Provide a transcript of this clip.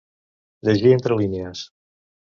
Llegir entre línies.